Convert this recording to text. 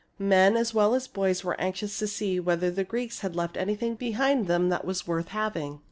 Men as well as boys were anxious to see whether the Greeks had left anything behind them that was worth having.